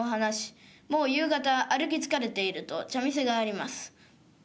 もう夕方歩き疲れていると茶店があります。